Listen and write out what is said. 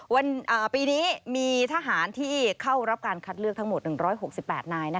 ปีนี้มีทหารที่เข้ารับการคัดเลือกทั้งหมด๑๖๘นาย